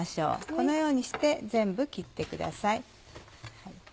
このようにして全部切ってください。